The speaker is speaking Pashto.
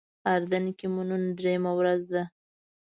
اردن کې مو نن درېیمه ورځ ده.